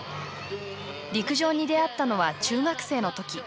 陸上に出会ったのは中学生の時。